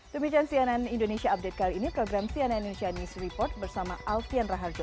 demikian cnn indonesia update kali ini program cnn indonesia news report bersama alfian raharjo